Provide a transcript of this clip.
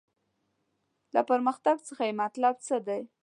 له پرمختګ څخه یې مطلب څه دی.